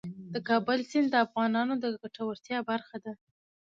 د کابل سیند د افغانانو د ګټورتیا برخه ده.